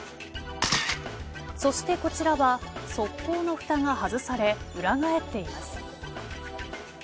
そして、こちらは側溝のふたが外され裏返っています。